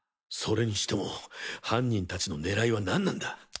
それにしても犯人達の狙いは何なんだ。